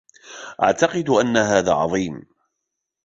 أعتقد أن هذا عظيم!